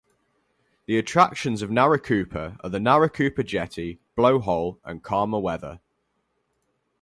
The attractions of Naracoopa are the Naracoopa Jetty, blow hole and calmer weather.